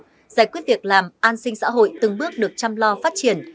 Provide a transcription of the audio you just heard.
giải quyết việc làm an sinh xã hội từng bước được chăm lo phát triển